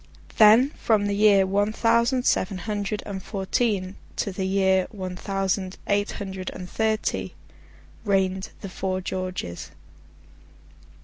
Then, from the year one thousand seven hundred and fourteen to the year one thousand, eight hundred and thirty, reigned the four Georges.